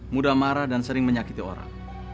mudah marah dan sering menyakiti orang